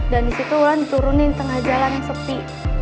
dan disitu wulan diturunin tengah jalan yang sepi